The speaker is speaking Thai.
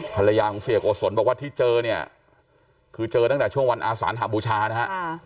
ภรรยาของเสียโกศลบอกว่าที่เจอเนี่ยคือเจอตั้งแต่ช่วงวันอาสานหบูชานะฮะ